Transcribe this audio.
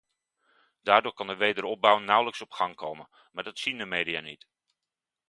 Daardoor kan de wederopbouw nauwelijks op gang komen, maar dat zien de media niet.